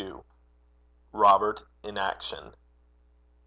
ROBERT IN ACTION.